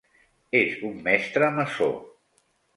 És un mestre maçó.